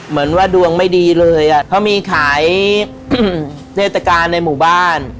เหมือนว่าดวงไม่ดีเลยอ่ะเพราะมีขายเทศกาลในหมู่บ้าน